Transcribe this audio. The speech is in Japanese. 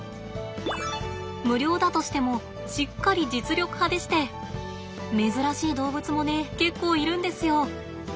無料だとしてもしっかり実力派でして珍しい動物もね結構いるんですよ。